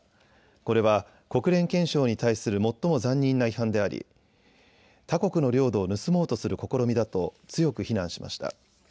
これは国連憲章に対する最も残忍な違反であり他国の領土を盗もうとする試みだと強く非難しました。